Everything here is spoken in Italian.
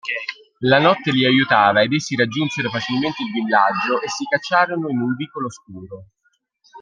La notte li aiutava ed essi raggiunsero facilmente il villaggio e si cacciarono in un vicolo oscuro.